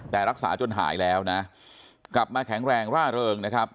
แต่รักษาจนหายแล้วนะกลับมาแข็งแรงร่าเริงนะครับ